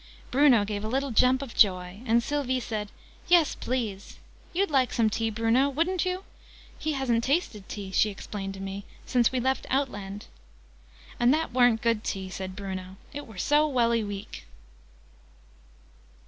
Bruno gave a little jump of joy: and Sylvie said "Yes, please. You'd like some tea, Bruno, wouldn't you? He hasn't tasted tea," she explained to me, "since we left Outland." "And that weren't good tea!" said Bruno. "It were so welly weak!"